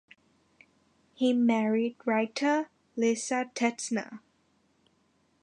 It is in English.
He married writer Lisa Tetzner.